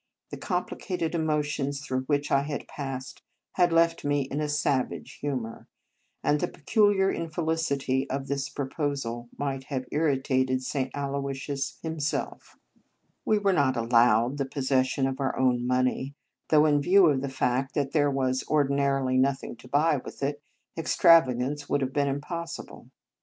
The complicated emotions through which I had passed had left me in a savage humour; and the peculiar infelicity of this proposal might have irritated St. Aloysius him self. We were not allowed the posses sion of our own money, though in view of the fact that there was ordinarily nothing to buy with it, extravagance would have been impossible.